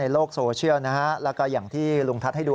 ในโลกโซเชียลนะครับแล้วก็อย่างที่